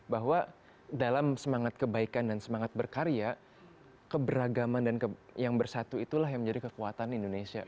bahwa dalam semangat kebaikan dan semangat berkarya keberagaman dan yang bersatu itulah yang menjadi kekuatan indonesia